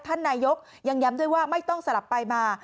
ท่านนายกยังย้ำด้วยว่าไม่ต้องสลับไปมา